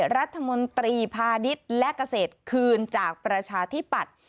รัฐมนตรีพาณิชย์และเกษตรคืนจากประชาธิปัตย์